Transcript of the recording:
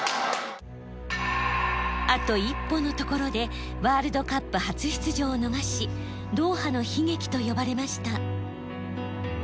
あと一歩のところでワールドカップ初出場を逃し「ドーハの悲劇」と呼ばれました。